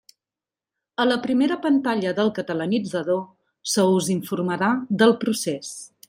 A la primera pantalla del Catalanitzador se us informarà del procés.